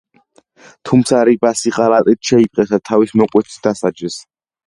თუმცა რიბასი ღალატით შეიპყრეს და თავის მოკვეთით დასაჯეს.